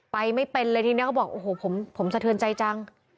ไม่เป็นเลยทีนี้เขาบอกโอ้โหผมสะเทือนใจจัง